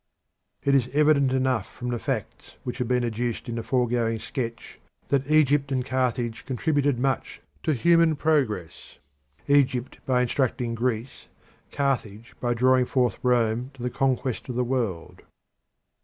It is evident enough from the facts which have been adduced in the foregoing sketch that Egypt and Carthage contributed much to human progress Egypt by instructing Greece, Carthage by drawing forth Rome to the conquest of the world.